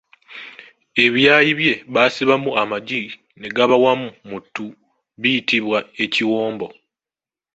Ebyayi bye basibamu amagi ne gaba wamu mu ttu biyitibwa Ekiwombo.